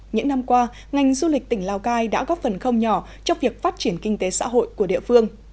những năm qua ngành du lịch tỉnh lào cai đã góp phần không nhỏ trong việc phát triển kinh tế xã hội của địa phương